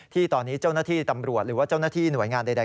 ที่ตอนนี้เจ้าหน้าที่ตำรวจหรือว่าเจ้าหน้าที่หน่วยงานใด